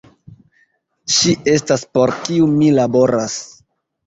Ŝi estas, por kiu mi laboras.